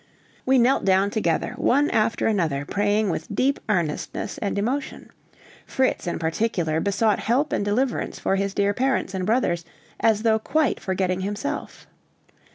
We knelt down together, one after another praying with deep earnestness and emotion. Fritz, in particular, besought help and deliverance for his dear parents and brothers, as though quite forgetting himself.